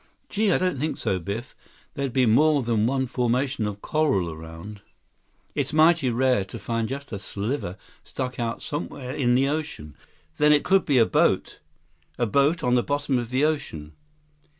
"Gee, I don't think so, Biff. There'd be more then one formation of coral around. It's mighty rare to find just a sliver stuck out somewhere in the ocean." "Then it could be a boat! A boat on the bottom of the ocean."